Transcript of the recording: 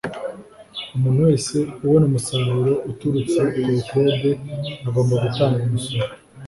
umuntu wese ubona umusaruro uturutse ku bukode agomba gutanga umusoro